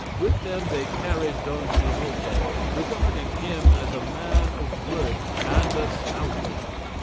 With them they carried Don Quixote, regarding him as a man of worth and a stout one.